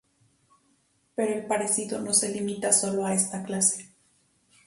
Pero el parecido no se limita solo a esta clase.